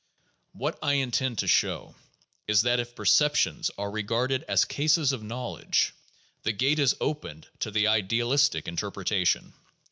What I intend to show is that if "perceptions" are regarded as cases of knowledge, the gate is opened to the idealistic interpretation.